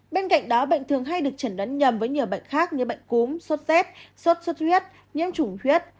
bên cạnh đó bệnh thường hay được chẩn đoán nhầm với nhiều bệnh khác như bệnh cúm suốt dép suốt suốt huyết nhiễm trùng huyết